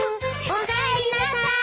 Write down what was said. おかえりなさーい。